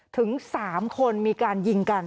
ถึง๓คนมีการยิงกัน